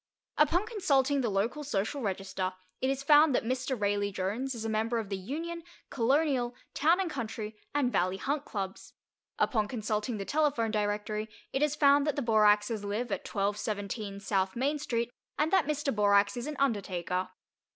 Upon consulting the local social register, it is found that Mr. Raleigh Jones is a member of the Union, Colonial, Town and Country, and Valley Hunt Clubs; upon consulting the telephone directory it is found that the Boraxes live at 1217 S. Main Street, and that Mr. Borax is an undertaker.